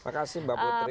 makasih mbak putri